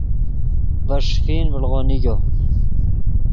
ڤے ݰیفین ڤڑو نیگو